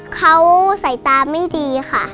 เขาสายตาไม่ดีค่ะ